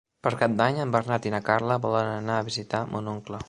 Per Cap d'Any en Bernat i na Carla volen anar a visitar mon oncle.